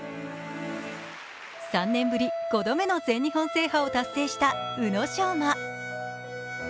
３年ぶり５度目の全日本制覇を達成した宇野昌磨。